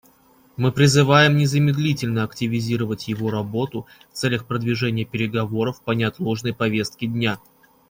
Мы призываем незамедлительно активизировать его работу в целях продвижения переговоров по неотложной повестке дня.